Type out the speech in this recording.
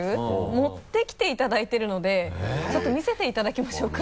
持ってきていただいてるのでちょっと見せていただきましょうか。